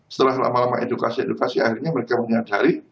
setelah lama lama edukasi edukasi akhirnya mereka menyadari